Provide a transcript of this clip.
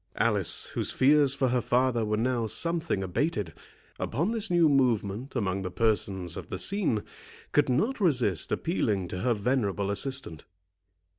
Alice, whose fears for her father were now something abated, upon this new movement among the persons of the scene, could not resist appealing to her venerable assistant.